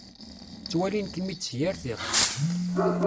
Ttwalin-kem-id s yir tiṭ.